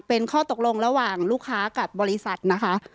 เป็นข้อตกลงระหว่างลูกค้ากับบริษัทนะคะ